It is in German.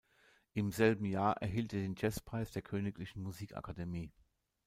Im selben Jahr erhielt er den Jazzpreis der Königlichen Musikakademie.